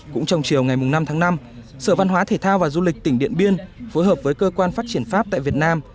cũng trong chiều ngày năm tháng năm sở văn hóa thể thao và du lịch tỉnh điện biên phối hợp với cơ quan phát triển pháp tại việt nam